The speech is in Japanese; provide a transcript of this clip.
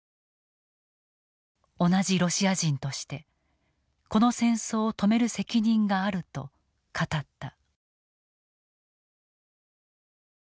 同じロシア人としてこの戦争を止める責任があると語った。